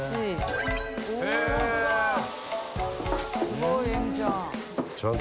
すごいえみちゃん。